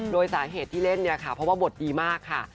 โดยสาเหตุที่เล่นเพราะว่าบทดีมากค่ะ